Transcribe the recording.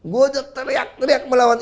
gue teriak teriak melawan